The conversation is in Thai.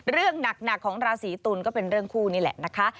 เรื่องหนักของราศีตุลก็เป็นเรื่องคู่นี่แหละนะคะ